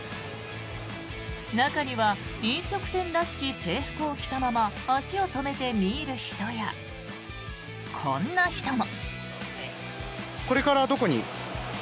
中には飲食店らしき制服を着たまま足を止めて見入る人やこんな人も。